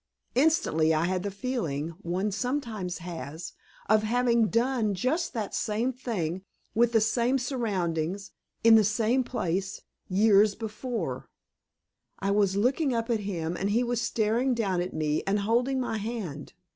Instantly I had the feeling one sometimes has, of having done just that same thing, with the same surroundings, in the same place, years before, I was looking up at him, and he was staring down at me and holding my hand.